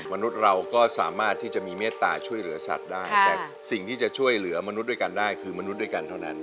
มนุษย์เราก็สามารถที่จะมีเมตตาช่วยเหลือสัตว์ได้แต่สิ่งที่จะช่วยเหลือมนุษย์ด้วยกันได้คือมนุษย์ด้วยกันเท่านั้น